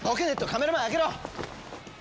カメラ前開けろ！